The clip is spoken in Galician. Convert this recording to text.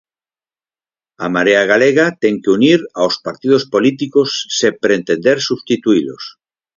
A Marea Galega ten que unir aos partidos políticos sen pretender substituílos.